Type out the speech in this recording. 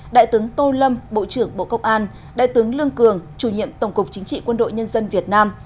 đại tướng tô lâm bộ trưởng bộ công an đại tướng lương cường chủ nhiệm tổng cục chính trị quân đội nhân dân việt nam